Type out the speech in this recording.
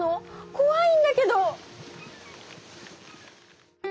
こわいんだけど！